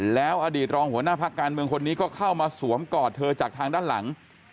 แล้วอดีตรองหัวหน้าพักการเมืองคนนี้ก็เข้ามาสวมกอดเธอจากทางด้านหลัง